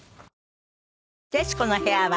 『徹子の部屋』は